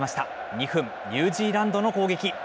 ２分、ニュージーランドの攻撃。